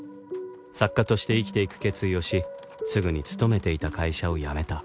作家として生きていく決意をしすぐに勤めていた会社を辞めた